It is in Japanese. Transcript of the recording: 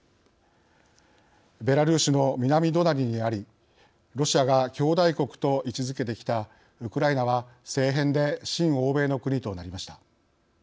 ベラルーシの南隣にありロシアが兄弟国と位置づけてきたウクライナは政変で親欧米の国となりました。